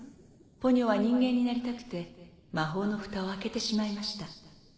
ポニョは人間になりたくて魔法のフタを開けてしまいました。